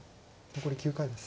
残り９回です。